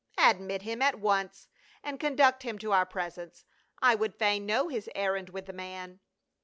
" Admit him at once, and conduct him to our pres ence ; I would fain know his errand with the man."